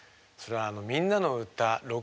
それは「みんなのうた６０」